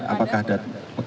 apakah ada kepada lion air